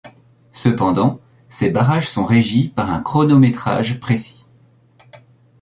Cependant, ces barrages sont régis par un chronométrage précis.